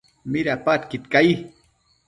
Midapadquid cai?